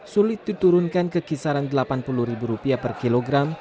sulit diturunkan ke kisaran delapan puluh rupiah per kilogram